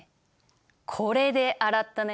これで洗ったね？